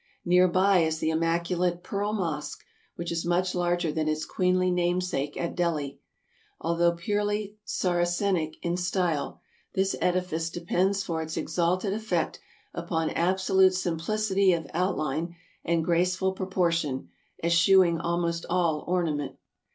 Near by is the immaculate Pearl Mosque, which is much larger than its queenly namesake at Delhi. Although purely Saracenic in style, this edifice depends for its exalted effect upon absolute simplicity of outline and graceful pro portion, eschewing almost all ornament.